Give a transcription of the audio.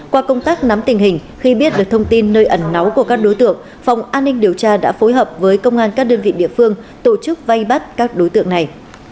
qua công tác nắm tình hình khi biết được thông tin nơi ẩn náu của các đối tượng phòng an ninh điều tra đã phối hợp với công an các đơn vị địa phương tổ chức vay bắt các đối tượng này